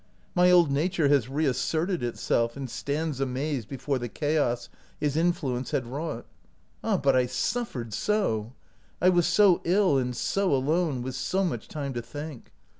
My old nature has reasserted itself, and stands amazed before the chaos his in fluence had wrought. Ah, but I suffered so ! I was so ill, and so alone, with so much time to think!